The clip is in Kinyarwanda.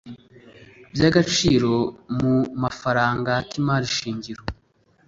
by agaciro mu mafaranga k imarishingiro